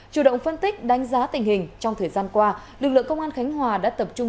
chủ động phân tích đánh giá tình hình trong thời gian qua lực lượng công an khánh hòa đã tập trung